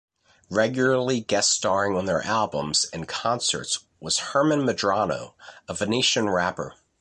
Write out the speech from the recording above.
Regularly guest-starring on their albums and concerts was Herman Medrano, a Venetian rapper.